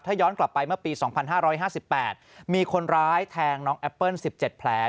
ย้อนกลับไปเมื่อปี๒๕๕๘มีคนร้ายแทงน้องแอปเปิ้ล๑๗แผล